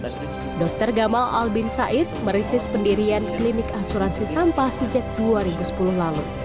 jadi dokter gamal albin said merintis pendirian klinik asuransi sampah sejak dua ribu sepuluh lalu